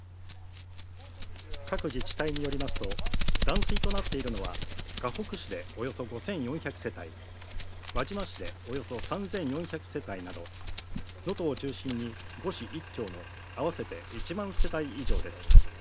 各自治体によりますと、断水となっているのは、かほく市でおよそ５４００世帯、輪島市でおよそ３４００世帯など、能登を中心に５市１町の合わせて１万世帯以上です。